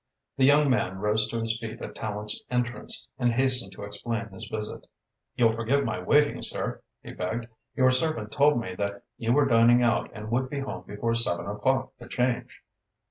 The young man rose to his feet at Tallente's entrance and hastened to explain his visit. "You'll forgive my waiting, sir," he begged. "Your servant told me that you were dining out and would be home before seven o'clock to change."